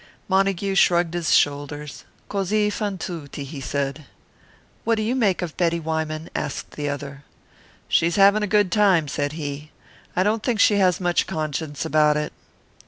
Montague shrugged his shoulders. "Cosí fan tutti," he said. "What do you make of Betty Wyman?" asked the other. "She is having a good time," said he. "I don't think she has much conscience about it."